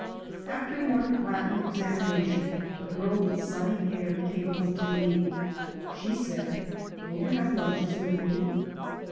After one Latin examination a girl with sunny hair came up to me. She said, " Will you have lunches with me